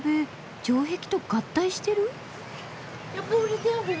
城壁と合体してる？